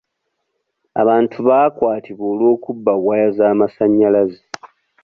Abantu baakwatibwa olwokubba waya z'amasanyalaze.